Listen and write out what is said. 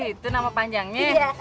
oh itu nama panjangnya